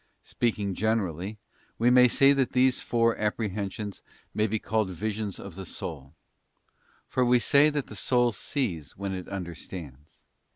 Speaking generally, we may say that these four apprehen sions may be called visions of the soul; for we say that the soul sees when it understands.